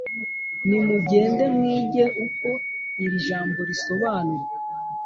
nimugende mwige uko iri jambo risobanurwa,